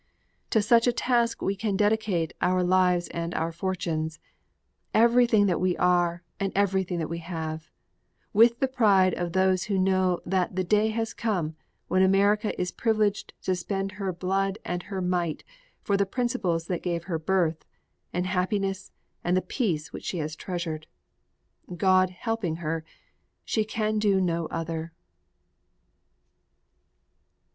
To such a task we can dedicate our lives and our fortunes, everything that we are and everything that we have, with the pride of those who know that the day has come when America is privileged to spend her blood and her might for the principles that gave her birth and happiness and the peace which she has treasured. God helping her, she can do no other.